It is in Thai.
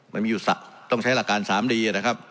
มันมีอยู่ต้องใช้หลักการ๓ดีนะครับ